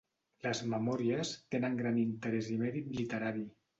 Les "Memòries" tenen gran interès i mèrit literari.